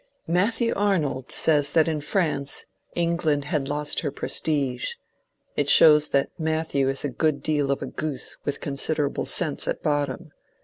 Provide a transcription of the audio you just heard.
^^ Matthew Arnold says that in France England had lost her prestige. It shows that Matthew is a good deal of a goose with considerable sense at bottom.